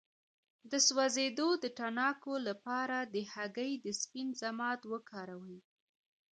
د سوځیدو د تڼاکو لپاره د هګۍ د سپین ضماد وکاروئ